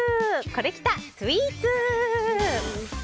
コレきたスイーツ。